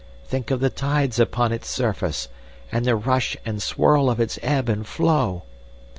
Think of the tides upon its surface, and the rush and swirl of its ebb and flow!